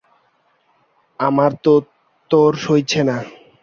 আমার তো তর সইছে না।